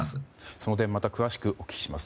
その点また詳しくお聞きします。